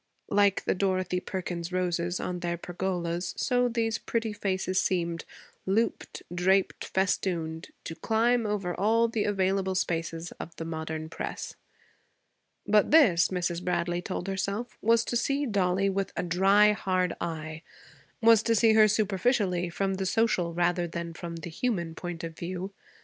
Like the Dorothy Perkins roses on their pergolas, so these pretty faces seemed looped, draped, festooned to climb over all the available spaces of the modern press. But this, Mrs. Bradley told herself, was to see Dollie with a dry, hard eye, was to see her superficially, from the social rather than from the human point of view.